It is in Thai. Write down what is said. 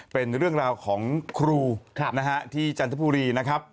เป็นเรื่องราวของครูที่จันทบุรีนะครับ